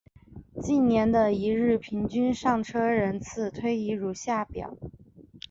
近年的一日平均上车人次推移如下表。